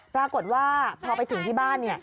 ปรากฏว่าพอไปถึงที่บ้าน